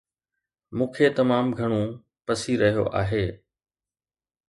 مون کي تمام گهڻو پسي رهيو آهي